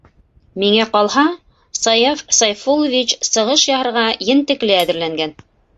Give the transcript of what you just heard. Миңә ҡалһа, Саяф Сайфуллович, сығыш яһарға ентекле әҙерләнгән.